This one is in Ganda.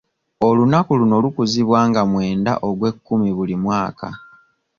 Olunaku luno lukuzibwa nga mwenda ogw'ekkumi buli mwaka.